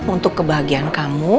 untuk kebahagiaan kamu